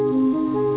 tidak ada yang tahu